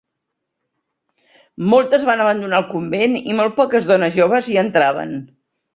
Moltes van abandonar el convent i molt poques dones joves hi entraven.